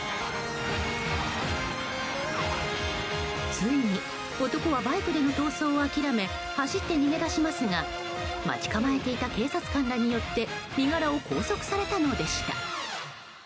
ついに男はバイクでの逃走を諦め走って逃げ出しますが待ち構えていた警察官らによって身柄を拘束されたのでした。